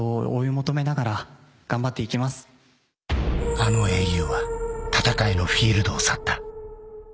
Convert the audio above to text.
あの英雄は戦いのフィールドを去った。